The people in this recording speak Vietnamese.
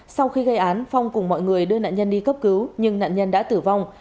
sau khi gây án phong cùng mọi người đưa nạn nhân đi cấp cứu nhưng nạn nhân đã tử vong